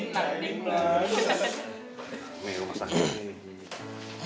nih suamanya juga